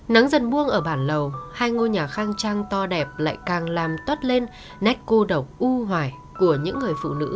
nắng dần buông ở bản lầu hai ngôi nhà khang trang to đẹp lại càng làm tót lên nách cô độc u hoài của những người phụ nữ sinh sống ở đó